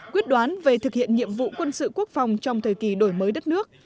quyết đoán về thực hiện nhiệm vụ quân sự quốc phòng trong thời kỳ đổi mới đất nước